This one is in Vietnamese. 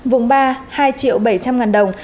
vùng ba hai triệu bảy trăm linh đồng